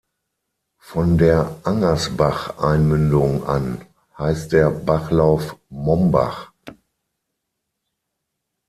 Von der "Angersbach"-Einmündung an heißt der Bachlauf "Mombach".